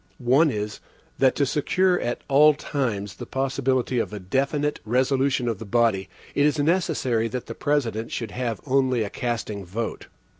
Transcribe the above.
One is, that to secure at all times the possibility of a definite resolution of the body, it is necessary that the President should have only a casting vote.